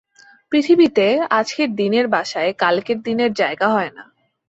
পৃথিবীতে আজকের দিনের বাসায় কালকের দিনের জায়গা হয় না।